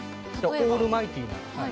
オールマイティーな。